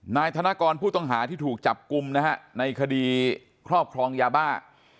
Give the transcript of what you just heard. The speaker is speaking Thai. นายธนกรผู้ต้องหาที่ถูกจับกลุ่มนะฮะในคดีครอบครองยาบ้า